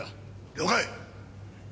了解！